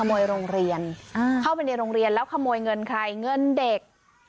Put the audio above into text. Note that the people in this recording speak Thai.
มวยโรงเรียนเข้าไปในโรงเรียนแล้วขโมยเงินใครเงินเด็ก